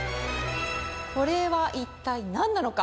これは一体何なのか？